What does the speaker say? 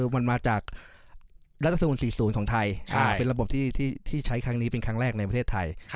มันมาจากรัฐธรรมนุน๔๐ของไทยเป็นระบบที่ใช้ครั้งนี้เป็นครั้งแรกในประเทศไทย